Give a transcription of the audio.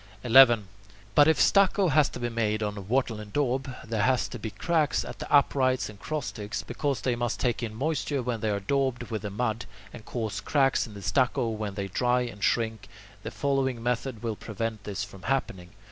11. But if stucco has to be made on "wattle and daub," where there must be cracks at the uprights and cross sticks, because they must take in moisture when they are daubed with the mud, and cause cracks in the stucco when they dry and shrink, the following method will prevent this from happening.